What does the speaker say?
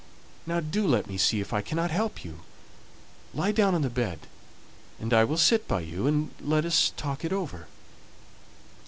Now do let me see if I cannot help you. Lie down on the bed, and I'll sit by you, and let us talk it over."